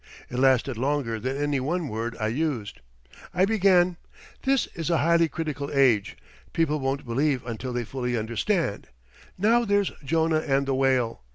It lasted longer than any one word I used. I began: 'This is a highly critical age. People won't believe until they fully understand. Now there's Jonah and the whale.